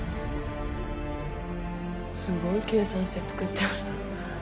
すごい計算して作ってあるな。